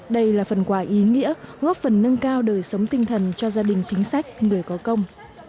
đây là phần quà ý nghĩa góp phần nâng cao đời sống tinh thần cho gia đình chính sách người có công